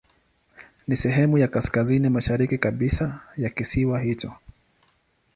Ni sehemu ya kaskazini mashariki kabisa ya kisiwa hicho.